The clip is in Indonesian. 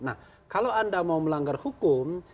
nah kalau anda mau melanggar hukum